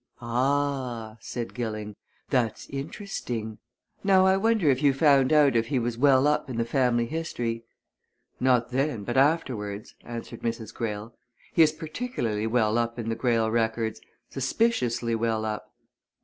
"Ah!" said Gilling. "That's interesting. Now I wonder if you found out if he was well up in the family history?" "Not then, but afterwards," answered Mrs. Greyle. "He is particularly well up in the Greyle records suspiciously well up."